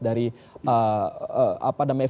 dari apa namanya